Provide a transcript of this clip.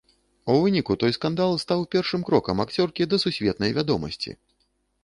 У выніку той скандал стаў першым крокам акцёркі да сусветнай вядомасці.